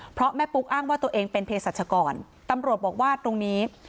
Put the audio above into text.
เพราะแม่ปุ๊กอ้างว่าตัวเองเป็นเพศรัชกรตำรวจบอกว่าตรงนี้